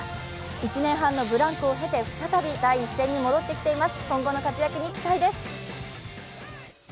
１年半のブランクをへて再び第一線に戻ってきています。